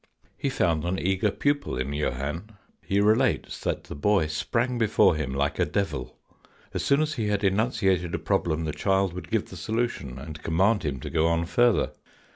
He found an eager pupil in Johann. He relates that the boy sprang before him like a devil. As soon as he had enunciated a problem the child would give the solution and command him to go on further.